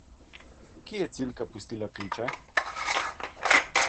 Kje je Cilka pustila ključe?